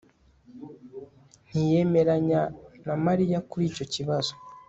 ntiyemeranya na mariya kuri icyo kibazo